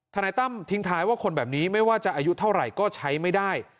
นายตั้มทิ้งท้ายว่าคนแบบนี้ไม่ว่าจะอายุเท่าไหร่ก็ใช้ไม่ได้